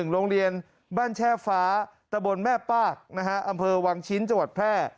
โรงเรียนบ้านแช่ฟ้าตะบนแม่ปากอำเภอวังชิ้นจังหวัดแพร่